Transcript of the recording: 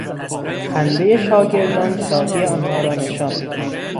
خندهی شاگردان شادی آنها را نشان میداد.